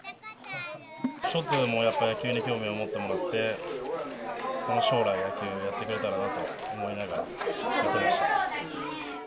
ちょっとでもやっぱり、野球に興味を持ってもらって、その将来、野球をやってくれたらなと思いながら、やってました。